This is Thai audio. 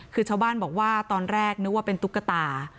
คือชาวบ้านบอกว่าตอนแรกนึกว่าเป็นตุ๊กตา